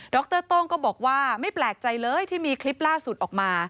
รโต้งก็บอกว่าไม่แปลกใจเลยที่มีคลิปล่าสุดออกมา